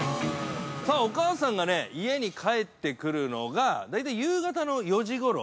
◆さあ、お母さんが、家に帰ってくるのが、大体夕方の４時ごろ。